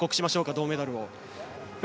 銅メダルを。